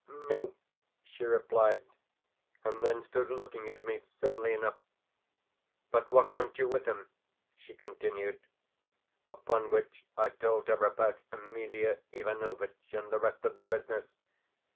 "No," she replied, and then stood looking at me civilly enough. "But what want you with him?" she continued; upon which I told her about Emelia Ivanovitch and the rest of the business.